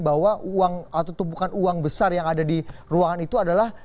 bahwa uang atau tumpukan uang besar yang ada di ruangan itu adalah